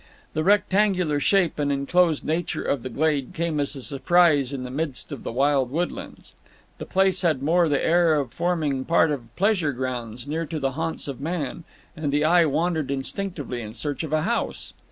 The rectangular shape and enclosed nature of the glade came as a surprise in the midst of the wild woodlands. The place had more the air of forming part of pleasure grounds near to the haunts of man, and the eye wandered instinctively in search of a house.